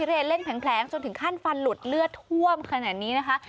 เรียนเล่นแผลงจนถึงขั้นฟันหลุดเลือดท่วมขนาดนี้นะคะ